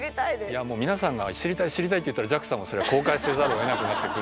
いやもう皆さんが知りたい知りたいって言ったらＪＡＸＡもそりゃ公開せざるをえなくなってくるんじゃないですか。